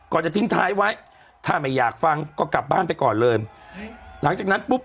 จะทิ้งท้ายไว้ถ้าไม่อยากฟังก็กลับบ้านไปก่อนเลยหลังจากนั้นปุ๊บ